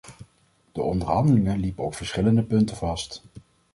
De onderhandelingen liepen op verschillende punten vast.